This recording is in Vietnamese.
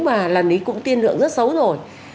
mà lần ấy cũng tiên lượng rất xấu rồi